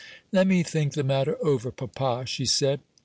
"Let me think the matter over, papa," she said.